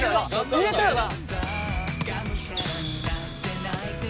入れたよな！